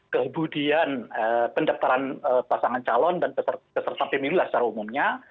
kemudian pendaftaran pasangan calon dan peserta pemilu lah secara umumnya